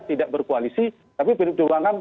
tidak berkoalisi tapi pdi perjuangan